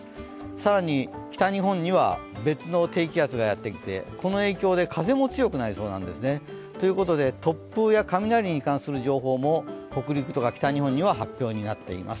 更に、北日本には別の低気圧がやってきて、この影響で風も強くなりそうなんですね。ということで、突風や雷に関する情報も北陸とか北日本には発表になっています。